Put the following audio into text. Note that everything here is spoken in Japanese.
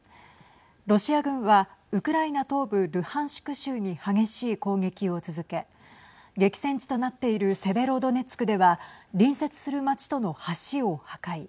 ロシア軍はウクライナ東部ルハンシク州に激しい攻撃を続け激戦地となっているセベロドネツクでは隣接する町との橋を破壊。